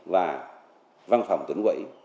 và văn phòng tỉnh quỹ